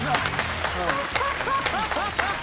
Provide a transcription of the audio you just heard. ハハハハ！